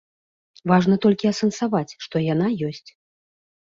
Важна толькі асэнсаваць, што яна ёсць.